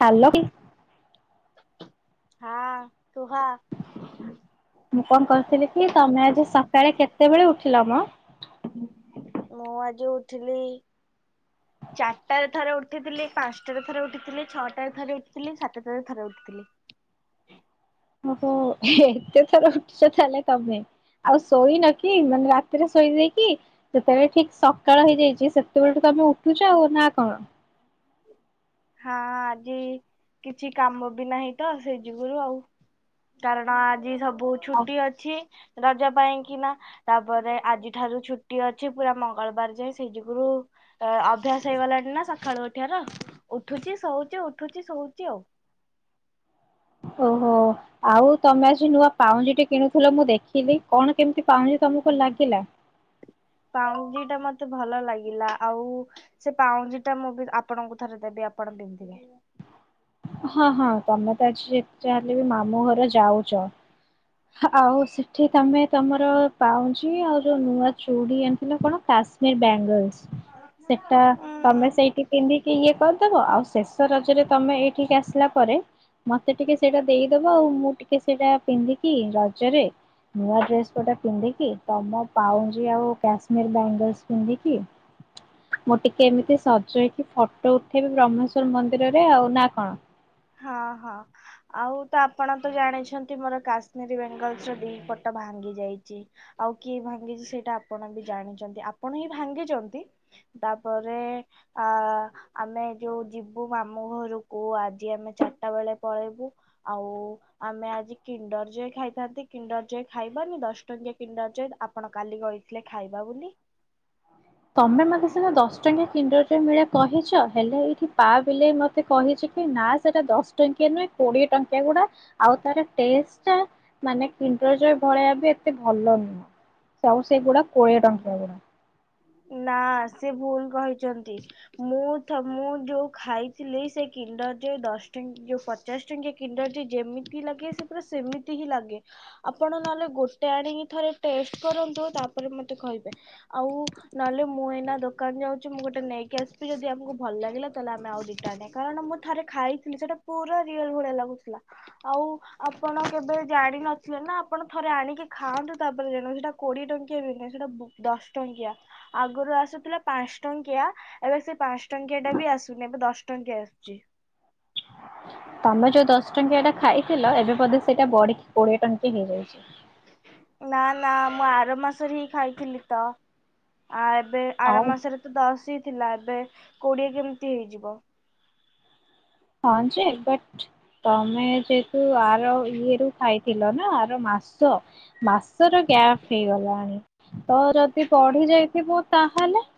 Hello. ହଁ କୁହ ମୁଁ କଣ କହୁଥିଲି କି ତମେ ଆଜି ସକାଳେ କେ ତେବେଳେ ଉଠିଲ ମ? ମୁଁ ଆଜି ଉଠିଲି, ଚାରିଟାରେ ଥରେ ଉଠିଥିଲି ପାଞ୍ଚଟାରେ ଥରେ ଉଠିଥିଲି ଛଅଟାରେ ଥରେ ଉଠିଥିଲି ସାତଟାରେ ଥରେ ଉଠିଥିଲି। ଓହୋଃ ଏତେ ଥର ଉଠୁଛ ତାହେଲେ ତମେ, ଆଉ ଶୋଇନ କି ମାନେ ରାତିରେ ଶୋଇ ଦେଇକି ଯେତେବେଳେ ଠିକ୍ ସକାଳ ହେଇଯାଇଛି ସେତେବେଳଠୁ ତମେ ଉଠୁଛ ଆଉ ନା କଣ? ହଁ ଆଜି କିଛି କାମ ବି ନାହିଁ ତ ସେ ଯୁଗୁରୁ ଆଉ, କାରଣ ଆଜି ସବୁ ବହୁତ ଛୁଟି ଅଛି। ରଜ ପାଇଁକି ନା, ତାପରେ ଆଜିଠାରୁ ଛୁଟି ଅଛି ପୁରା ମଙ୍ଗଳବାର ଯାଏଁ ସେଇ ଯୁଗୁରୁ ଅଭ୍ୟାସ ହେଇଗଲାଣି ନା ସକାଳୁ ଉଠିବାର ଉଠୁଛି ଶୋଉଛି ଉଠୁଛି ଶୋଉଛି ଆଉ। ଓହୋଃ, ଆଉ ତମେ ଆଜି ନୂଆ ପାଉଁଜିଟି କିଣୁଥିଲ ମୁଁ ଦେଖିଲି, କଣ କେମିତି ପାଉଁଜି ତମକୁ ଲାଗିଲା? ପାଉଁଜିଟା ମତେ ଭଲ ଲାଗିଲା ଆଉ ସେ ପାଉଁଜିଟା ମୁଁ ବି ଆପଣଙ୍କୁ ଥରେ ଦେବି ଆପଣ ପିନ୍ଧିବେ। ହଁ ହଁ ତମେ ତ ଆଜି [inaudible] ଯାହେଲେ ବି ମାମୁଁ ଘର ଯାଉଛ। ଆଉ ସେଠି ତମେ ତମର ପାଉଁଜ୍ ଜି ଆଉ ଯୋଉ ନୂଆ ଚୁଡ଼ି [inaudible] କିୁ କଣ କାଶମୀର ବ୍ୟାଙ୍ଗଲସ ସେଟା ତମେ ଉଁ ସେଇଠି ପିନ୍ଧିକି ଇଏ କର ବ ଆଉ ଶେଷ ରଜରେ ତମେ ଏଇଠିକି ଆସିଲା ପରେ, ମତେ ଟିକେ ସେଇଟା ଦେଇଦବ ଆଉ। ମୁଁ ଟିକେ ସେଇଟା ପିନ୍ଧିକି କି ରଜରେ, ନୂଆ ଡ୍ରେସ ଗୋଟା ପିନ୍ଧିକି ତମ ପାଉଜି ଆଉ କାଶ୍ମୀର ବେଙ୍ଗଲସ ପିନ୍ଧିକି, ମୁଁ ଟିକେ ଏମିତି ସଜ ହେଇକି ଫଟୋ ଉଠେଇବି ବ୍ରହ୍ମେଶ୍ଵର ମନ୍ଦିରରେ ଆଉ ନା କଣ? ହଁ ହଁ ଆଉ ତ ଆପଣ ତ ଜାଣିଛନ୍ତି ମୋର କାଶ୍ମୀରୀ ବେଙ୍ଗଲ ଚୁଡ଼ି ଦି ପଟ ଭାଙ୍ଗି ଯାଇଚି। ଆଉ କିଏ ଭାଙ୍ଗିଚି ସେଇଟା ଆପଣ ବି ଜାଣିଛନ୍ତି। ଆପଣ ହିଁ ଭାଙ୍ଗିଚନ୍ତି, ତାପରେ ଆ ଆମେ ଯଉ ଯିବୁ ମାମୁ ଘରକୁ ଆଜି ଆମେ ଚାରିଟା ବେଳେ ପଳେଇବୁ ଆଉ ଆମେ ଆଜି କିଣ୍ଡର୍ ଜୟ ଖାଇଥାନ୍ତି କିଣ୍ଡର୍ ଜୟ ଖାଇବାନି। ଦଶ ଟଙ୍କିଆ କିଣ୍ଡର୍ ଜୟ ଆପଣ କାଲି କହିଥିଲେ ଖାଇବା ବୋଲି। ତମେ ମତେ ସିନା ଦଶ ଟଙ୍କିଆ କିଣ୍ଡର ଜୟ ମିଳି କହିଚ। ହେଲେ ଏଇଠି ପା ବିଲେଇ ମତେ କହିଛି କି ନା ସେଟା ଦଶ ଟଙ୍କିଆ ନୁହେଁ, କୋଡିଏ ଟଙ୍କିଆ ଗୁଡା। ଆଉ ତାର ଟେଷ୍ଟ ଟା ମାନେ କିଣ୍ଡର ଜୟ ଭଳିଆ ବି ଏତେ ଭଲ ନୁହଁ। ସବୁ ସେଗୁଡା କୋଡିଏ ଟଙ୍କିଆ ଗୁଡା। ନା ସେ ଭୁଲ କହିଚନ୍ତି। ମୁଁ ତ ମୁଁ ଯଉ ଖାଇଥିଲି ସେ କିଣ୍ଡର ଯୟ ଦଶ ଟ ଯୋଉ ପଚାଶ ଟଙ୍କିଆ କିଣ୍ଡର ଯେମିତି ଲାଗେ ସେ ପୁରା ସେମିତି ହିଁ ଲାଗେ। ଆପଣ ନହେଲେ ଗୋଟେ ଆଣିକି ଥରେ ଟେଷ୍ଟ କରନ୍ତୁ ତାପରେ ମତେ କହିବେ। ଆଉ ନହେଲେ ମୁଁ ଏଇନା ଦୋକାନ ଯାଉଚି। ମୁଁ ଗୋଟେ ନେଇକି ଆସିବି ଯଦି ଆମକୁ ଭଲ ଲାଗିଲା ତାହେଲେ ଆମେ ଆଉ ଦିଟା ଆଣିବା। କାରଣ ମୁଁ ଥରେ ଖାଇଥିଲି ସେଇଟା ପୁରା ରିଅଲ ଭଳିଆ ଲାଗୁଥିଲା। ଆଉ ଆପଣ କେବେ ଜାଣିନଥିଲେ ନା ଆପଣ ଥରେ ଆଣିକି ଖାଆନ୍ତୁ ତାପରେ ଜାଣ ସେଇଟା କୋଡିଏ ଟଙ୍କିଆ ବି ନାହିଁ ସେଇଟା ଦଶ ଟଙ୍କିଆ। ଆଗରୁ ଆସୁଥିଲା ପାଞ୍ଚ ଟଙ୍କିଆ। ଏବେ ସେ ପାଞ୍ଚ ଟଙ୍କିଆ ଟା ବି ଆସୁନି ଏବେ ଦଶ ଟଙ୍କିଆ ଆସୁଚି। ତମେ ଯଉ ଦଶ ଟଙ୍କିଆ ଟା ଖାଇଥିଲ ଏବେ ବୋଧେ ସେଇଟା ବଢିକି କୋଡିଏ ଟଙ୍କି ହେଇଯାଇଚି। ନା ନା ମୁଁ ଆର ମାସରେ ହିଁ ଖାଇଥିଲି ତ। ଆ ଏବେ ଆର ହଉ ମାସରେ ତ ଦଶ ହି ଥିଲା। ଏବେ କୋଡିଏ କେମିତି ହେଇଯିବ? ହଁ ଯେ ବଟ ତମେ ଯେହେତୁ ଆର ଇଏ ରୁ ଖାଇଥିଲ ନା, ଆର ମାସ ମାସ ର ଗ୍ୟାପ ହେଇଗଲାଣି ତ ଯଦି ପଢି ଯାଇଥିବୁ ତାହେଲେ?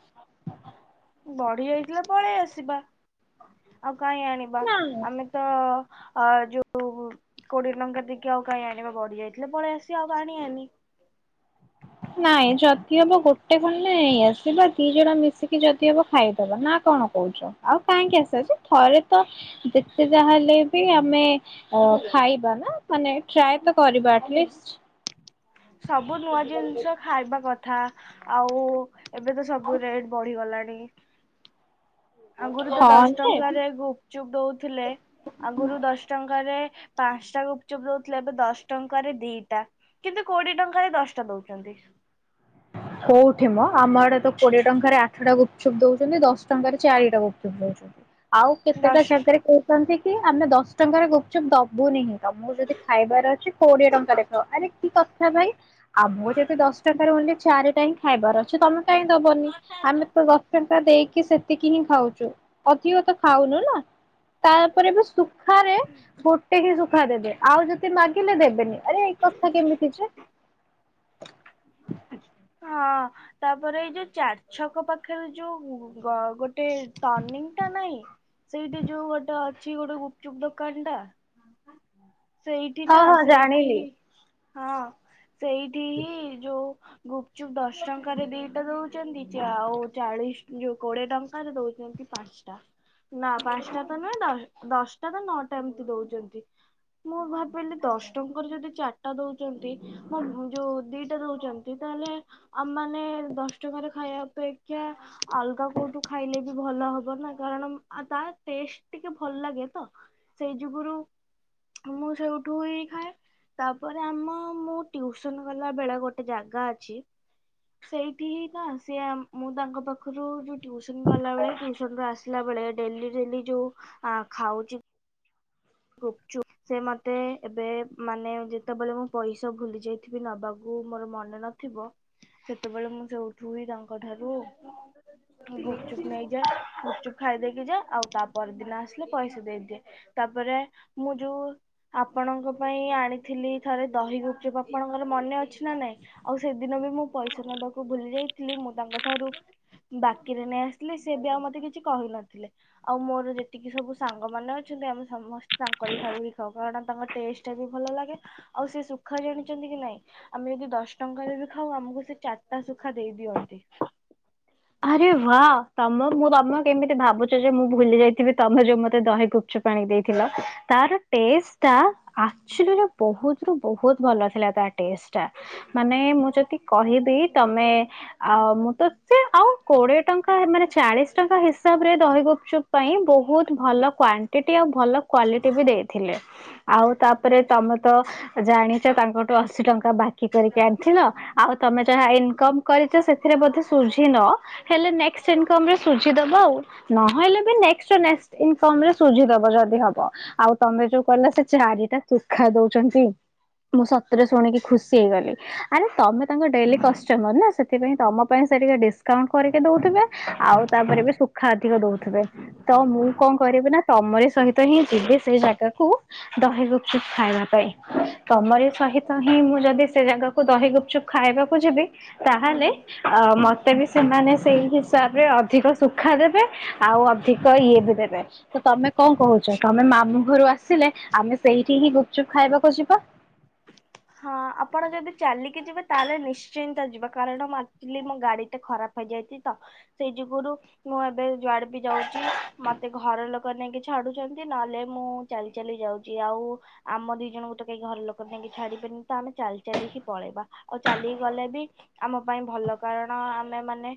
ବଢିଯାଇଥିଲେ ପଳେଇ ଆସିବା। ଆଉ କାହିଁ ଆଣିବା ନାଇଁ ଆମେ ତ ଅ ଯଉ କୋଡିଏ ଟଙ୍କା ଦେଇକି ଆଉ କାହିଁ ଆଣିବା ବଢି ଯାଇଥିଲେ ପଳେଇ ଆସିବା ଆଉ ଆଣିବାନି? ନାଇଁ ଯଦି ହବ ଗୋଟେ ଖଣ୍ଡେ ନେଇ ଆସିବା ଦି ଜଣ ମିଶିକି ଯଦି ହବ ଖାଇଦବା ନା କଣ କହୁଚ? ଆଉ କାହିଁକି ଆସଛି ଥରେ ତ ଯେତେ ଯାହା ହେଲେ ବି ଆମେ ଖାଇବା ନା ମାନେ ଟ୍ରାଏ ତ କରିବା ଏଟଲିଷ୍ଟ? ସବୁ ନୂଆ ଜିନିଷ ଖାଇବା କଥା। ଥା। ଆଉ ଏବେ ତ ସବୁ ରେଟ୍ ବଢିଗଲାଣି। [inaudible] ଆଗରୁ ତ ହଁ ଦଶ ଯେ ଟଙ୍କାରେ ଗୁପଚୁପ ଦଉଥିଲେ। ଆଗରୁ ଦଶ ଟଙ୍କାରେ ପାଞ୍ଚଟା ଗୁପଚୁପ ଦଉଥିଲେ। ଏବେ ଦଶ ଟଙ୍କାରେ ଦିଟା କିନ୍ତୁ କୋଡିଏ ଟଙ୍କାରେ ଦଶଟା ଦଉଚନ୍ତି। କୋଉଠି ମ ଆମ ଆଡେ ତ କୋଡିଏ ଟଙ୍କାରେ ଆଠଟା ଗୁପଚୁପ ଦଉଚନ୍ତି। ଦଶ ଟଙ୍କାରେ ଚାରିଟା ଗୁପଚୁପ ଦଉଚନ୍ତି। ଆଉ କେତେଟା ଦଶ ଜାଗାରେ କହୁଚନ୍ତି କି ଆମେ ଦଶ ଟଙ୍କାର ଗୁପଚୁପ ଦବୁନି ହି, ତମକୁ ଯଦି ଖାଇବାର ଅଛି କୋଡିଏ ଟଙ୍କାରେ ଖାଅ। ଆରେ କି କଥା ଭାଇ? ଆମ ଯଦି ଦଶ ଟଙ୍କାରେ ବୋଲି ଚାରିଟା ହିଁ ଖାଇବାର ଅଛି। ତମେ କାଇଁ ଦବନି? ଆମେ ତ ଦଶ ଟ ଙ୍କା ଦେଇକି ସେତିକି ହିଁ ଖାଉଚୁ। ଅଧିକ ତ ଖାଉନୁ ନା? ତାପରେ ବି ଶୁଖାରେ ଗୋଟେ ହି ଶୁଖା ଦେବେ। ଆଉ ଯଦି ମାଗିଲେ ଦେବେନି। ଆରେ ଏଇ କଥା କେମିତି ଯେ? ହଁ ତାପରେ ଏଇ ଯଉ ଚାର ଛକ ପାଖରେ ଯଉ ଗ ଗୋଟେ ଗୋଟେ ଟର୍ଣିଂ ଟା ନାଇଁ ସେଇଠି ଯଉ ଗୋଟେ ଅ ଅଛି ଗୋଟେ ଗୁପଚୁପ ଦୋକାନ ଟା। ସେଇଠି ହଁ ନା ହଁ ସେଇଠି ଜାଣିଲି। ହିଁ, ହଁ ସେଇଠି ହିଁ ଯଉ ଗୁପ୍ ଚୁପ୍ ଦଶ ଟଙ୍କାରେ ଦିଇଟା ଦଉ ଆଉ ଚାଳିଶ ଯୋଉ କୋଡିଏ ଟଙ୍କାରେ ଦଉଛନ୍ତି ପାଞ୍ଚଟା। ନା ପାଞ୍ଚଟା ତ ନୁହେଁ ଦଶ ଦଶଟା ନା ନଅଟା ଏମିତି ଦଉଛନ୍ତି ମୁଁ ଭାବିଲି ଦଶ ଟଙ୍କାର ଯଦି ଚାରିଟା ଦଉଛନ୍ତି ମୋ ଯୋଉ ଦିଟା ଦଉଛନ୍ତି। ତାହେଲେ ଆମ ମାନେ ଦଶଟଙ୍କାରେ ଖାଇବା ଅପେକ୍ଷା ଅଲଗା କୋଉଠୁ ଖାଇଲେ ବି ଭଲ ହବ ନା କାରଣ ଆ ତା ଟେଷ୍ଟ ଟିକେ ଭଲ ଲାଗେ ତ ସେଇ ଯୁଗରୁ ମୁଁ ସେଇଠୁ ହି ଖାଏ ତାପରେ ଆମ ମୁଁ ଟିଉସନ ଗଲା ବେଳେ ଗୋଟେ ଯା ଗା ଅଛି ସେଇଠି ହିଁ ନା ସେି ମୁଁ ତାଙ୍କ ପାଖରୁ ଟ୍ୟୁସନ ଗଲାବେଳେ ଟ୍ୟୁସନ ରୁ ଆସା ବେଳେ ଡେଲି ଡେଲି ଯୋଉ ଖାଉଛି ଗୁପଚୁପ୍ ସେ ମତେ ଏବେ ମାନେ ଯେତେବେଳେ ମୁଁ ପଇସା ଭୁଲି ଯାଇଥିବି ନବାକୁ ମୋର ମନେ ନଥିବ ସେତେବେଳେ ମୁଁ ସେଉଠୁ ହି ତାଙ୍କ ଠାରୁ ଗୁପଚୁପ୍ ନେଇଯାଏ ଗୁପଚୁପ୍ ଖାଇଦେଇକି ଯାଏ ଆଉ ତା ପରଦିନ ଆସିଲେ ପଇସା ଦେଇଦିଏ ତାପରେ ମୁଁ ଯୋଉ ଆପଣଙ୍କ ପାଇଁ ଆଣିଥିଲି ଥରେ ଦହି ଗୁପ୍‌ଚୁପ୍ ଆପଣଙ୍କର ମନେ ଅଛି ନା ନାଇଁ ଆଉ ସେଦିନ ବି ମୁଁ ପଇସା ନବାକୁ ଭୁଲି ଯାଇଥିଲି ମୁଁ ତାଙ୍କ ଠାରୁ ବାକିରେ ନେଇ ଆସିଲି ସେ ବି ଆଉ ମତେ କିଛି କିଛି କହିନଥିଲେ ଆଉ ମୋର ଯେତିକି ସବୁ ସାଙ୍ଗ ମାନେ ଅଛନ୍ତି ଆମେ ସମସ୍ତେ ତାଙ୍କରି ଠାରୁ ବି ଖାଉ କାରଣ ତାଙ୍କ ଟେଷ୍ଟ ଟା ବି ଭଲ ଲାଗେ ଆଉ ସେ ସୁଖା ଜାଣିଛନ୍ତି କି ନାଇଁ ଆମେ ଯଦି ଦଶ ଟଙ୍କାରେ ବି ଖାଉ ଆମକୁ ସେ ଚାରିଟା ସୁଖା ଦେଇ ଦିଅନ୍ତି। ଆରେ ୱାଃ ତମ ମୁଁ ତମ କେମିତି ଭାବୁଛ ଯେ ମୁଁ ଭୁଲି ଯାଇଥିବି ତମେ ଯୋଉ ମତେ ଦହି ଗୁପଚୁପ୍ ପାଣି ଦେଇଥିଲ ତାର ଟେଷ୍ଟ ଟା ଏକ୍ଟୁଆଲୀ ବହୁତ ରୁ ବହୁତ ଭଲ ଥିଲା ତା ଟଷ୍ଟ ଟା। ମାନେ ମୁଁ ଯଦି କହିବି ତମେ ଅ ମୁଁ ତ ସେ ଆଉ କୋଡିଏ ଟଙ୍କା ମାନେ ଚାଳିଶ ଟଙ୍କା ହିସାବରେ ଦହିଗୁପଚୁପ ପାଇଁ ବହୁତ ଭଲ କ୍ଵାଣ୍ଟିଟି ଆଉ ଭଲ କ୍ଵାଲିଟି ବି ଦେଇଥିଲେ ଆଉ ତାପରେ ତମେ ତ ଜାଣିଛ ତାଙ୍କଠୁ ଅଶୀ ଟଙ୍କା ବାକି କରିକି ଆଣିଥିଲ ଆଉ ତମେ ଯାହା ଇନକମ କରିଛ ସେଥିରେ ବଧେ ସୁଝି ନ ହେଲେନେକ୍ସଟ୍ ଇନକମ ରେ ସୁଝି ଦବ ଆଉ। ନହଲେ ବି ନେକ୍ସଟ ଇନ୍କମ ରେ ସୁଝଦବ ଯଦି ହବ ଆଉ ତମେ ଯୋଉ କ ସେ ଚାରିଟା ଶୁଖା ଦଉଛନ୍ତି ମୁଁ ସତରେ ଶୁଣିକି ଖୁସି ହେଇଗଲି ଆରେ ତମେ ତାଙ୍କ ଡେଲି କଷ୍ଟମର ନା ସେଥିପାଇଁ ତମ ପାଇଁ ପାଇଁ ସେ ଟିକେ ଡିସକାଉଣ୍ଟ କରିକି ଦଉଥିବେ ଆଉ ତାପରେ ବି ସୁଖା ଅଧିକ ଦଉଥିବେ ତ ମୁଁ କଣ କରିବି ନା ତମର ସହିତ ହିଁ ଯିବି ସେଇ ଜାଗାକୁ ଦହିିଗୁପଚୁପ ଖାଇବା ପାଇଁ। ତମର ସହିତ ହିଁ ମୁଁ ଯଦି ସେ ଜାଗାକୁ ଦହି ଗୁପଚୁପ ଖାଇବାକୁ ଯିବି ତାହେଲେ ଅ ମତେ ବି ସେମାନେ ସେଇ ହିସାବରେ ଅଧିକ ଶୁଖା ଦେବେ ଆଉ ଅଧିକ ଇଏ ବି ଦେବେ ତ ତମେ କଣ କହୁଛ ତମେ ମାମୁଁ ଘରୁ ଆସିଲେ ଆମେ ସେଇଠି ହିଁ ଗୁପଚୁପ ଖାଇବାକୁ ଯିବା। ହଁ ଆପଣ ଯଦି ଚାଲିକି ଯିବେ ତାହେଲେ ନିଶ୍ଚିନ୍ତ ଯିବ କାରଣ ଆକ୍ଚୁଲି ମୋ ଗାଡି ଟେ ଖରାପ ହେଇଯାଇଛି ତ ସେଇ ଯୁଗୁରୁ ମୁଁ ଏବେ ଯୁଆଡେ ବି ଯାଉଛି ମତେ ଘର ଲୋକ ନେଇକି ଛାଡୁଛନ୍ତି ନହେଲେ ମୁଁ ଚାଲି ଚାଲି ଯାଉଛି ଆଉ ଆମ ଦି ଜଣଙ୍କୁ ତ କେହି ଘର ଲୋକ ନେଇକି ଛାଡି ହ। ତ ଆମେ ଚାଲି ଚାଲିକି ପଳେଇବା ଆଉ ଚାଲି ଗଲେ ବି ଆମ ପାଇଁ ଭଲ କାରଣ ଆମେ ମାନେ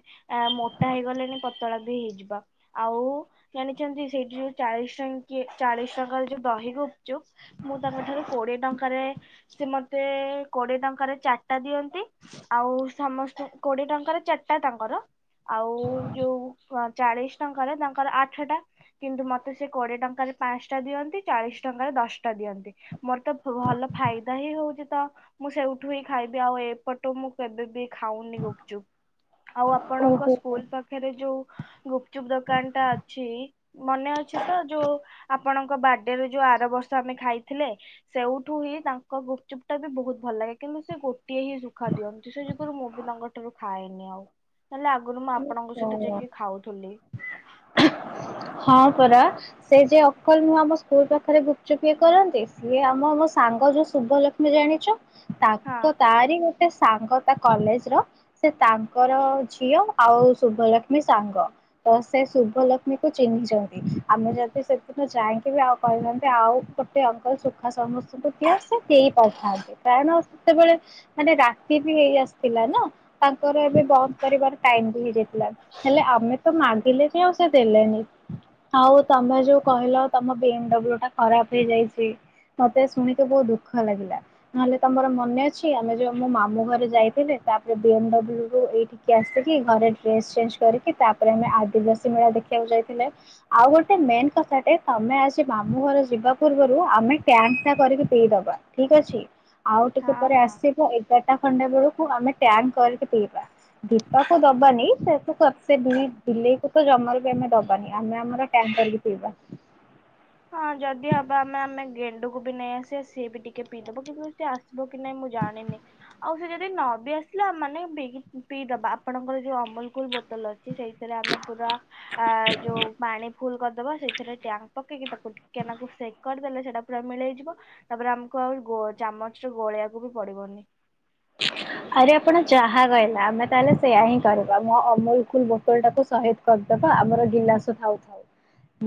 ମୋଟା ହେଇଗଲେଣି ପତଳା ବି ହେଇଯିବ ଆଉ ଜାଣିଛନ୍ତି ସେଇଠି ଯୋଉ ଚାଳିଶ ଟ ଚାଳିଶ ଟଙ୍କାର ଯୋଉ ଦହିଗୁପ୍ ମୁଁ ତାଙ୍କ ଠାରୁ କୋଡିଏ ଟଙ୍କାରେ ସେ ମତେ କୋଡିଏ ଟଙ୍କାରେ ଚାରିଟା ଦିଅନ୍ତି ଆଉ ସମସ୍ତ କୋଡିଏ ଟଙ୍କାରେ ଚାରିଟା ତାଙ୍କର ଆଉ ଯୋଉ ଚାଳିଶ ଟଙ୍କାରେ ତାଙ୍କର ଆଠ ଟା କିନ୍ତୁ ମତେ ସେ କୋଡିଏ ଟଙ୍କାରେ ପାଞ୍ଚ ଟା ଦିଅନ୍ତି ଚାଳିଶ ଟଙ୍କାରେ ଦଶଟା ଦିଅନ୍ତି ମୋର ତ ଭଲ ଫାଇଦ ହିଁ ହଉଛି ତ ମୁଁ ସେଇଠୁ ହିଁ ଖାଇବି ଆଉ ଏପଟ ମୁଁ କେବେବି ଖାଉନି ଗୁପଚୁପ୍ ଆଉ ଆପଣଙ୍କ ସ୍କୁଲ ପାଖରେ ଯୋଉ ଗୁପଚୁପ ଦୋକାନ ଟା ଅଛି ମନେ ଅଛି ତ ଯୋଉ ଆପଣଙ୍କ ବାର୍ଡେ ରୁ ଯୋଉ ଆର ବର୍ଷ ଆମେ ଖାଇଥିଲେ ସେଇଉଠୁ ହିଁ ତା ଗୁପଚୁପ୍ ଟା ବି ବହୁତ ଭଲ ଲାଗେ କିନ୍ତୁ ସେ ଗୋ ଟଟିେ ହିଁ ସୁଖାିଅନ୍ତି ସେ ମୁଁ ବି ତାଙ୍କ ଠାରୁ ଖାଏନି ଆଉ ନହେଲେ ଆଗରୁ ମୁଁ ଆପଣଙ୍କ ସହିତ ଯାଇକି ଖାଉଥିଲି। ହଁ ପରା ସେ ଯେ ଅକଲ ମୁହଁ ଆମ ସ୍କୁଲ ପାଖରେ ଗୁପଚୁପିଏ କରନ୍ତି ସିଏ ଆମ ମମ ସାଙ୍ଗ ଯୋଉ ଶୁଭ ଲକ୍ଷ୍ମୀ ଜାଣିଛ। ହଁ ତାଙ୍କ ତାରି ଗୋଟେ ସାଙ୍ଗ ତା କଲେଜ ର ସେ ତାଙ୍କର ଝିଅ ଆଉ ଶୁଭଲକ୍ଷ୍ମୀ ସାଙ୍ଗ ତ ସେ ଶୁଭଲକ୍ଷ୍ମୀକୁ ଚିହ୍ନିଛନ୍ତି ଆମେ ଯଦି ସେଦିନ ଯାଇକି ବି ଆଉ କହିନାହାନ୍ତି ଆଉ ଗୋଟେ ଅଙ୍କଲ ସୁଖା ସମସ୍ତଙ୍କୁ ଦଏ ସେ ଦେଇପାରିଥାନ୍ତି କାରଣ ସେତେବେଳେ ମାନେ ରାତି ବି ହେଇ ଆସିଥିଲା ନା ତାଙ୍କର ଏବେ ବନ୍ଦ କରିବାର ଟାଇମ ହେଲେ ଆମେ ତ ମା ଦେଲେ କି ଆଉ ସେ ଦେଲେନି ଆଉ ତମେ ଯୋଉ କହିଲ ତମ ବି ଏମଡବ୍ଲୁ ଟା ଖରାପ ହେଇଯାଇଛି ମତେ ଶୁଣିକି ବହୁତ ଦୁଃଖ ଲାଗିଲା ନହେଲେ ତମର ମନେ ଅଛି ଆମେ ଯୋଉ ମୋ ମାମୁଁ ଘରେ ଯାଇଥିଲେ ତାପରେ ବିଏମଡବ୍ଲୁ ରୁ ଏଇଠିକି ଆସିକି ଘରେ ଡେସ ଚେଞଜ କରିକି ତାପରେ ଆମେ ଆଦିବାସୀ ମେଳା ଦେଖିବାକୁ ଯାଇଥିଲେ ଆଉ ଗୋଟେ ମେନ କଥାଟେ ତମେ ଆଜି ମାମୁଁ ଘର ଯିବା ପୂର୍ବରୁ ଆମେ ଟାସ୍କ ଟା କରିକି ଦେଇଦବା ଠିକ ଅଛି। ଆଉ ଟିକେ ହଁ ପରେ ହଁ। ଆସିବ ଏଗାରଟା ଖଣ୍ଡେ ବେଳୁ ଆମେ ଟାଙ୍କ କରିକି ପିବା ଦୀପାକୁ ଦବାନି [unintelligible] ବିଲେଇକୁ ତ ଜମାରୁ ବି ଆମେ ଦବାନି ଆମେ ଆମର ଟ୍ୟାନ୍ କରିକି ପିଇବା। ହଁ ଯଦି ହବ ଆମେ ଆମେ ଗେଣ୍ଡୁକୁ ବି ନେଇ ଆସିବା ସିଏ ବି ଟିକେ ପିଇଦବ କିନ୍ତୁ ସିଏ ଆସିବ କି ନାଇଁ ମୁଁ ଜାଣିନି ଆଉ ସେ ଯଦି ନବି ଆସିଲେ ଆମ ମାନେ ପି ପିଇଦବା ଆପଣଙ୍କର ଯୋଉ ଅମଲ କୁଲ ବୋତଲ ଅଛି ସେଇଥିରେ ଆମେ ପୁରା ଅ ଯୋଉ ପାଣି ଫୁଲ କରିଦେବା ସେଥିରେ ଟ୍ୟାଙ୍କ ପକେଇକି ତାକୁ ଟି କେନାକୁ ସେକ କରିଦେଲେ ସେଟା ପୁରା ମିଳେଇଯିବ ତାପରେ ଆମକୁ ଆ ଚାମଚ ରେ ଗୋଳେଇବାକୁ ବି ପଡିବନି। ଆରେ ଆପଣ ଯାହା କହିଲା ଆମେ ତାହେଲେ ସେଇୟା ହିଁ କରିବା ମୋ ଅମୁଲ କୁଲ ବୋତଲ ଟାକୁ ସହିଦ କରିଦବା ଆମର ଗିଲାସ ଥାଉ ଥାଉ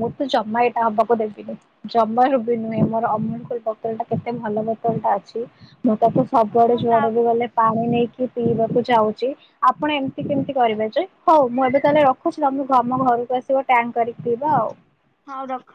ମୁଁ ତ ଜମା ଏଇଟା ହବାକୁ ଦେବିନି ଜମାରୁ ବି ନୁହେଁ ମୋର ଅମୁଲ କୁଲ ବୋତଲ ଟା କେତେ ଭଲ ବୋତଲ ଟା ଅଛି। ମଁତାକୁ ସବୁଆଡେ ହଁ ତା ଯୁଆଡ଼େ ଗଲେ ପାଣି ନେଇକି ପିଇବାକୁ ଯାଉଛି ଆପଣ ଏମିତି କେମିତି କରିବେ ଯେ ହଉ ମୁଁ ଏବେ ତାହେଲେ ରଖୁଛି ତମକୁ ଘରକୁ ଆସିବ ଟ୍ୟାଙ୍କ କରିକି ପିଇବା ଆଉ। ହଉ ରଖ।